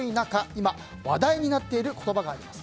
今、話題になっている言葉があります。